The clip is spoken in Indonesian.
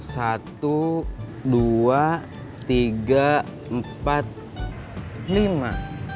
satu dua tiga empat lima